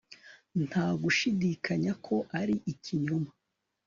Nta gushidikanya ko ari ikinyoma